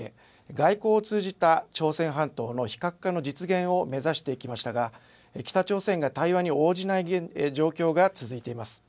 外交を通じた朝鮮半島の非核化の実現を目指してきましたが北朝鮮が対話に応じない状況が続いています。